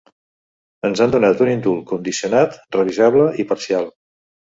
Ens han donat un indult condicionat, revisable i parcial.